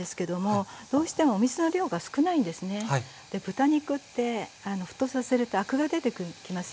で豚肉って沸騰させるとアクが出てきますよね。